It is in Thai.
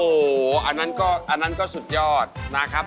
โอ้โหอันนั้นก็อันนั้นก็สุดยอดนะครับ